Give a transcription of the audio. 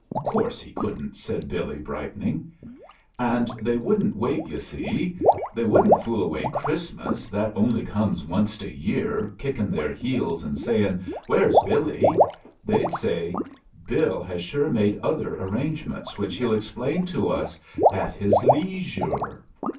"Cotffse he coulda't," said Billy, bright "And they wouldn't wait, yt/ see They wouldn't fool away Christmas, that only comes onced a year, kickfn* their heeU, and sayin' ''here's Bifly?' They'd say, 'Bill has sure made other arrange ments, which hell explain to us at his lees yure.